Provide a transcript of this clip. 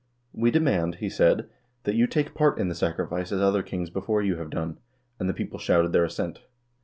"We demand," he said, "that you take part in the sacrifice as other kings before you have done," and the people shouted their assent.